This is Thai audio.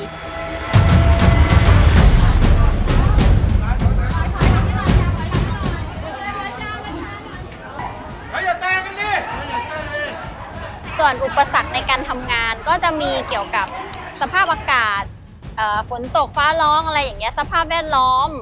ส่วนอุปสรรคในการทำงานก็จะมีเกี่ยวกับสภาพอากาศฝนตกฟ้าร้องอะไรอย่างนี้สภาพแวดล้อม